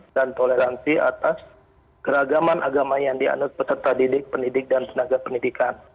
dan toleransi atas keragaman agama yang dianut peserta didik pendidik dan tenaga pendidikan